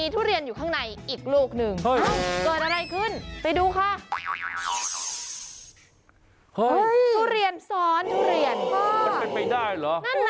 ทุเรียนซ้อนทุเรียนค่ะ